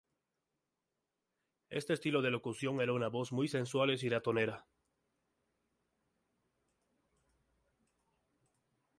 Este estilo de locución era una voz muy sensuales y "ratonera".